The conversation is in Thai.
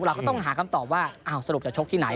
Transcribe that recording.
เราก็ต้องหาคำตอบว่าอ้าวสรุปจะชกที่ไหน